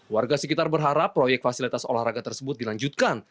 warga sekitar berharap proyek fasilitas olahraga tersebut dilanjutkan